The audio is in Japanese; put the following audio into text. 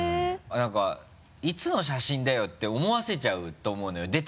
何かいつの写真だよって思わせちゃうと思うのよ。